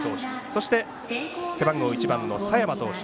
そして背番号１番の佐山投手。